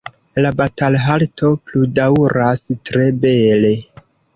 “La batalhalto pludaŭras tre bele.